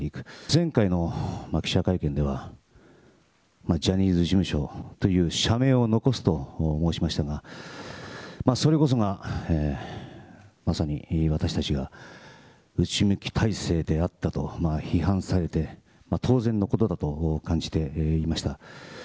前回の記者会見では、ジャニーズ事務所という社名を残すと申しましたが、それこそがまさに私たちが内向き体制であったと批判されて当然のことだと感じていました。